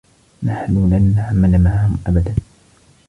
نحن لن نعمل معهم أبدا.